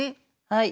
はい。